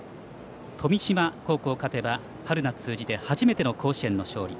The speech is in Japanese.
富島高校、勝てば春夏通じて初めての甲子園の勝利。